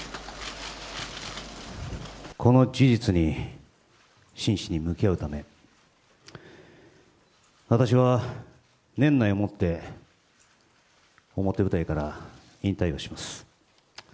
この事実に真摯に向き合うため、私は年内をもって表舞台から引退をします。